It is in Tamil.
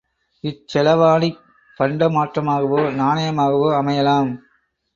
இச்செலாவணி பண்ட மாற்றாகவோ நாணயமாகவோ அமையலாம்.